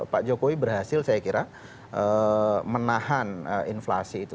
pak jokowi berhasil saya kira menahan inflasi itu